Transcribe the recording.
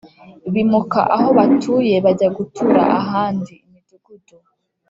bimuka aho batuye bajya gutura ahandi (imidugudu).